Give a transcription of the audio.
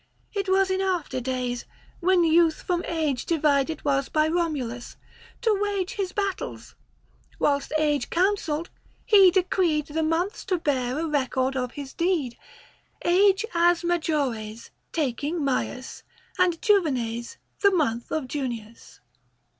It was in after days, when youth from age Divided was by Komulus, to wage His battles, whilst Age counselled, he decreed 95 The months to bear a record of his deed ; Age as Majores, taking Maius And Juvenes, the month of Junius."